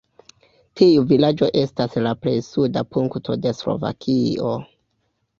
Tiu vilaĝo estas la plej suda punkto de Slovakio.